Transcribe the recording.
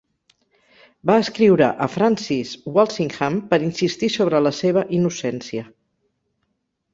Va escriure a Francis Walsingham per insistir sobre la seva innocència.